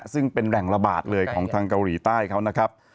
ซึ่งเป็นแหล่งระบาดเลยของทางเกาหลีใต้เขานะครับ